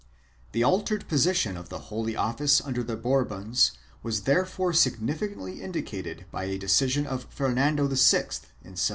The altered position of the Holy Office under the Bourbons was therefore significantly indicated by a decision of Fernando VI in 1747.